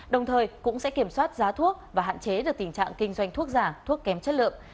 đồng thời cũng sẽ kiểm soát giá thuốc và hạn chế được tình trạng kinh doanh thuốc giả thuốc kém chất lượng